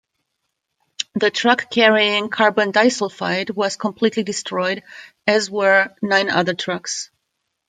The truck carrying carbon disulfide was completely destroyed, as were nine other trucks.